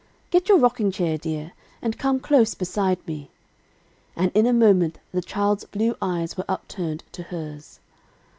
"Get your rocking chair, dear, and come close beside me;" and in a moment the child's blue eyes were upturned to hers.